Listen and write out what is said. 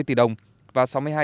trong ba tháng đầu năm nay